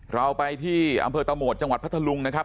เราไปที่อำเภอตะโหมดจังหวัดพัทธลุงนะครับ